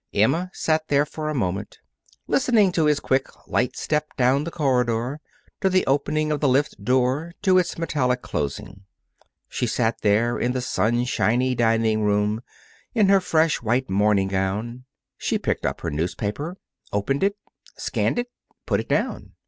Emma sat there a moment, listening to his quick, light step down the corridor, to the opening of the lift door, to its metallic closing. She sat there, in the sunshiny dining room, in her fresh, white morning gown. She picked up her newspaper, opened it; scanned it, put it down.